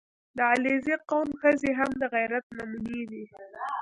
• د علیزي قوم ښځې هم د غیرت نمونې دي.